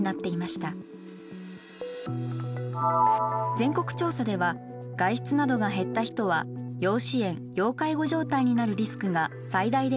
全国調査では外出などが減った人は要支援・要介護状態になるリスクが最大で２倍。